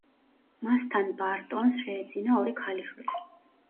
მასთან ბარტონს შეეძინა ორი ქალიშვილი.